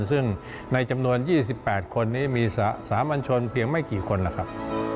ซึ่งในจำนวน๒๘คนนี้มีสามัญชนเพียงไม่กี่คนล่ะครับ